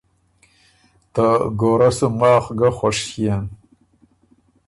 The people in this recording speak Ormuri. ته ګورۀ سُو ماخ ګۀ خوش ݭيېن“